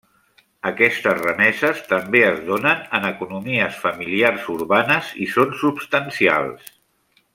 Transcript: Aquestes remeses també es donen en economies familiars urbanes i són substancials.